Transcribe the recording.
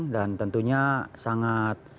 dan tentunya sangat